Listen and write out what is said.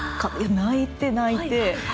泣いて、泣いて。